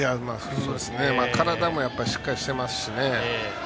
体もしっかりしていますしね。